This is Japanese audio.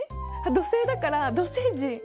土星だから土星人！？